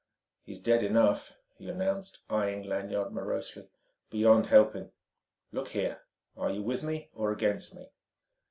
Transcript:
"He is dead enough," he announced, eyeing Lanyard morosely "beyond helping.... Look here; are you with me or against me?"